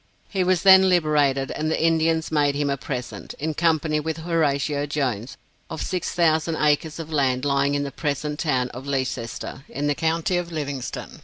He was then liberated, and the Indians made him a present, in company with Horatio Jones, of 6000 acres of land lying in the present town of Leicester, in the county of Livingston.